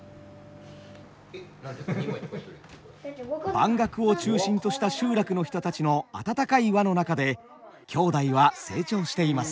番楽を中心とした集落の人たちの温かい輪の中で兄弟は成長しています。